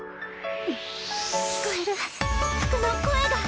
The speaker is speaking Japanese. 聞こえる服の声が。